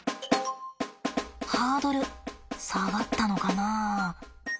ハードル下がったのかな？